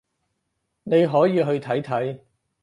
你可以去睇睇